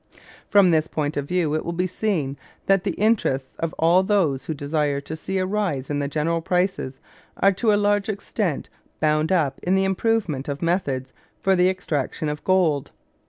From this point of view it will be seen that the interests of all those who desire to see a rise in general prices are to a large extent bound up in the improvement of methods for the extraction of gold.